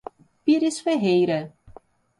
Pires Ferreira